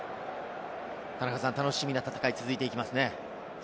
楽しみな戦いが続いていきますね。